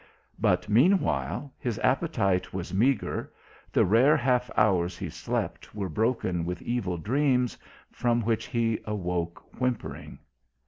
But meanwhile his appetite was meagre, the rare half hours he slept were broken with evil dreams, from which he awoke whimpering.